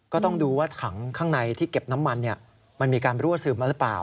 ก็ต้องดูว่าถังข้างในที่เก็บน้ำมันมันมีการรั่วซึมมาหรือเปล่า